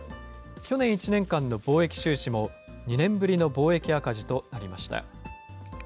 去年１年間の貿易収支も、２年ぶりの貿易赤字となりました。